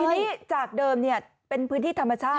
ทีนี้จากเดิมเป็นพื้นที่ธรรมชาติ